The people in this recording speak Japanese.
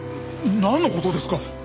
なんの事ですか？